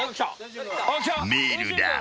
［メールだ］